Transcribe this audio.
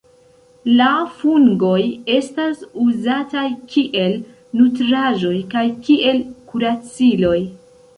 La fungoj estas uzataj kiel nutraĵoj kaj kiel kuraciloj.